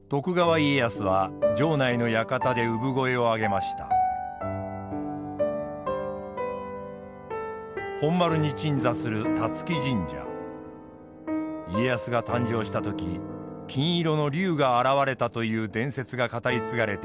家康が誕生した時金色の龍が現れたという伝説が語り継がれています。